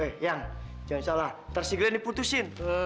eh yang jangan salah nanti glenn diputuskan